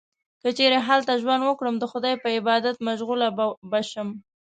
که چیرې هلته ژوند وکړم، د خدای په عبادت مشغوله به شم.